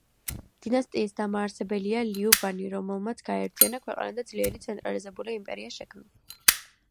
დინასტიის დამაარსებელია ლიუ ბანი, რომელმაც გააერთიანა ქვეყანა და ძლიერი ცენტრალიზებული იმპერია შექმნა.